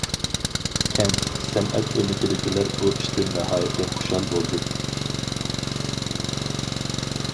كەنت سەنئەت ئۆمىكىدىكىلەر بۇ ئىشتىن ناھايىتى خۇشال بولدى.